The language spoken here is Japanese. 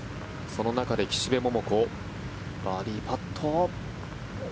その中で岸部桃子バーディーパット。